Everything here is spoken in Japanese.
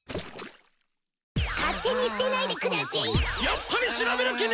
勝手に捨てないでくだせい！